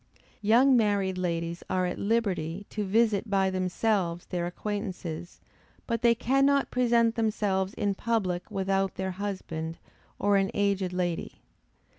Young married ladies are at liberty to visit by themselves their acquaintances, but they cannot present themselves in public without their husband, or an aged lady.